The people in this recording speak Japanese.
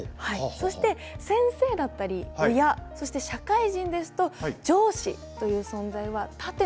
そして先生だったり親そして社会人ですと上司という存在は縦のつながりになります。